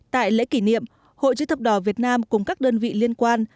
tại lễ kỷ niệm hội chữ thập đỏ việt nam cùng các đơn vị liên quan